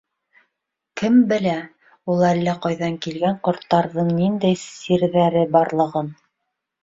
«Кем белә, ул әллә ҡайҙан килгән ҡорттарҙың ниндәй сирҙәре барлығын...»